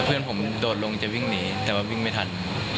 เพื่อนผมโดดลงจะวิ่งหนีแต่ว่าวิ่งไม่ทัน